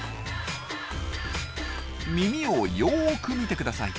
耳をよく見てください。